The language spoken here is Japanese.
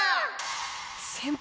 先輩！